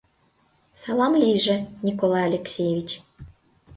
— Салам лийже, Николай Алексеевич!